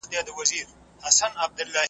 پرون هېر سو نن هم تېر دی ګړی بل ګړی ماښام دی .